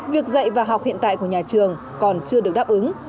việc dạy và học hiện tại của nhà trường còn chưa được đáp ứng